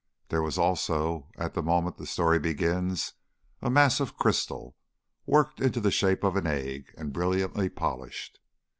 There was also, at the moment the story begins, a mass of crystal, worked into the shape of an egg and brilliantly polished.